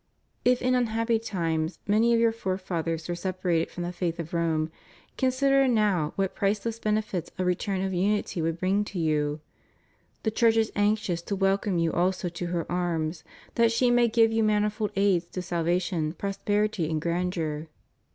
If in unhappy times many of your forefathers were sepa rated from the Faith of Rome, consider now what priceless benefits a return of unity would bring to you. The Church is anxious to welcome you also to her arms, that she may give you manifold aids to salvation, prosperity, and grandeur.